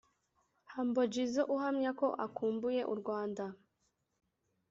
Humble Jizzo uhamya ko akumbuye u Rwanda